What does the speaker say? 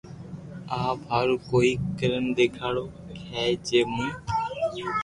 آپ ھارو ڪوئي ڪرن ديکارو ھي جي مون